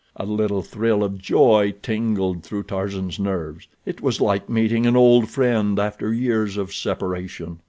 A little thrill of joy tingled through Tarzan's nerves. It was like meeting an old friend after years of separation.